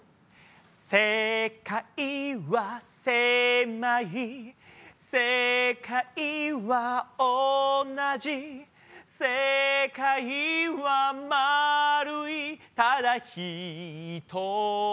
「せかいはせまいせかいはおなじ」「せかいはまるいただひとつ」